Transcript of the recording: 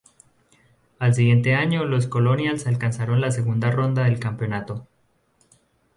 Al siguiente año los Colonials alcanzaron la segunda ronda del campeonato.